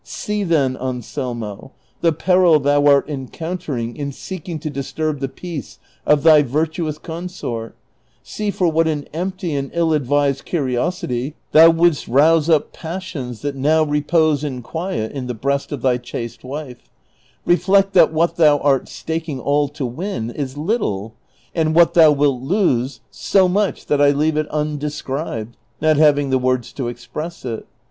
See, then, Anselmo, the peril thou art encountering in geoking to disturb the peace of thy virtuous consort; see for what an empty and ill advised curiosity thou wouldst rouse up passions that now repose in qniet in the breast of thy chaste wife ; reflect that what thou art staking all to win is little, and what thou wilt lose so much that I leave it unde scribed, not having the words to express it.